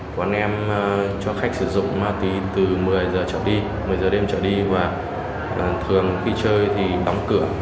quán em cho khách sử dụng ma túy từ một mươi h trở đi một mươi h đêm trở đi và thường khi chơi thì đóng cửa